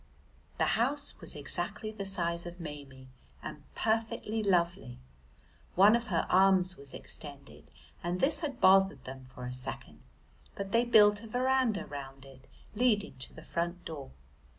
The house was exactly the size of Maimie and perfectly lovely. One of her arms was extended and this had bothered them for a second, but they built a verandah round it, leading to the front door.